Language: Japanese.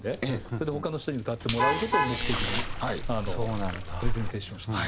それで他の人に歌ってもらう事を目的にプレゼンテーションして。